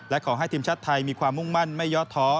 และขอให้ทีมชาติไทยมีความมุ่งมั่นไม่ยอดท้อ